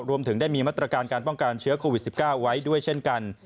รวมถึงได้มีมาตรการการป้องกันเชื้อโควิด๑๙ไว้ด้วยเช่นกัน